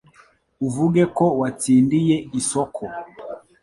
uvuge ko watsindiye isoko